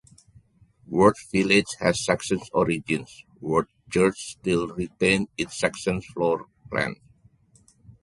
Worth village has Saxon origins: Worth Church still retains its Saxon floor plan.